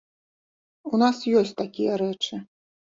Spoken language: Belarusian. У нас ёсць такія рэчы.